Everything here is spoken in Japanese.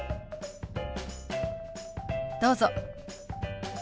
どうぞ。